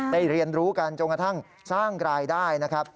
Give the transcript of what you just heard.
เรียนรู้กันจนกระทั่งสร้างรายได้นะครับ